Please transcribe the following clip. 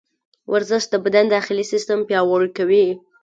ورزش د بدن داخلي سیسټم پیاوړی کوي.